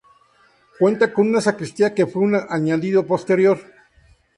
Cuenta con una sacristía que fue un añadido posterior.